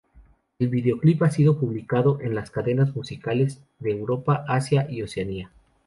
El videoclip ha sido publicado en las cadenas musicales de Europa, Asia y Oceanía.